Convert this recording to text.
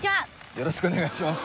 よろしくお願いします